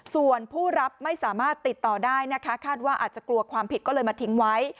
ส่วนผู้รับไม่สามารถติดต่อได้นะคะคาดว่าอาจจะกลัวความผิดก็เลยมาทิ้งไว้